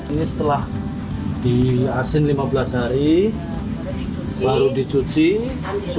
ini setelah di asin lima belas hari baru dicuci sudah bersih seperti ini tinggal direbus